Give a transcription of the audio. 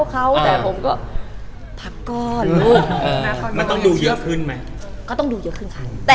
ก็ต้องดูเยอะขึ้นค่ะ